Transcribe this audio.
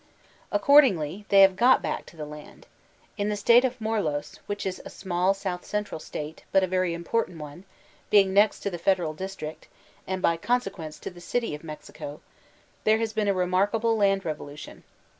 Accordingly, they have got back to the land. In the state of Morlos, which is a small, south central state, but a very important one — ^being next to the Federal District, and by consequence to the city of Mexico— there has been a remarkable land revolution.